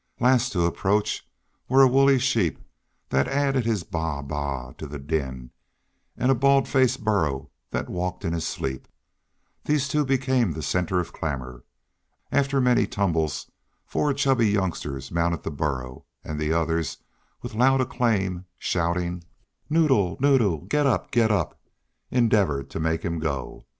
Last to approach were a woolly sheep that added his baa baa to the din, and a bald faced burro that walked in his sleep. These two became the centre of clamor. After many tumbles four chubby youngsters mounted the burro; and the others, with loud acclaim, shouting, "Noddle, Noddle, getup! getup!" endeavored to make him go.